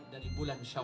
dari bulan syawal